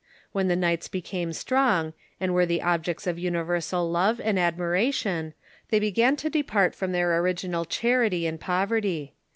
When the knights became strong, and were the objects of universal love and admiration, they began to depart from their original charity and poverty.